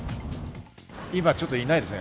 今ちょっといないですね。